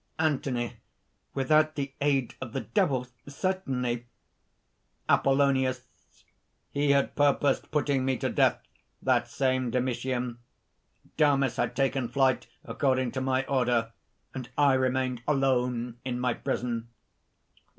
ANTHONY. "Without the aid of the Devil ... certainly ..." APOLLONIUS. "He had purposed putting me to death, that same Domitian! Damis had taken flight according to my order, and I remained alone in my prison."